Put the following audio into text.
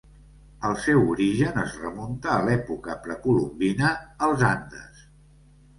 El seu origen es remunta a l'època precolombina als Andes.